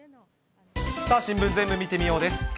さあ、新聞ぜーんぶ見てみようです。